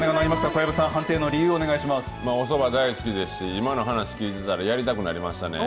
小籔さん、おそば大好きですし、今の話聞いてたら、やりたくなりましたね。